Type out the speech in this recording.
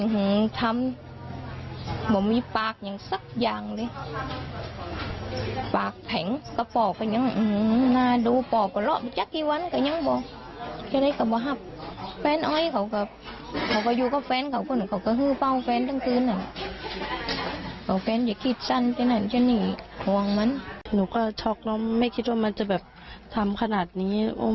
หนูก็ช็อกเนาะไม่คิดว่ามันจะแบบทำขนาดนี้